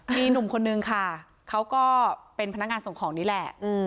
มีหนุ่มคนนึงค่ะเขาก็เป็นพนักงานส่งของนี่แหละ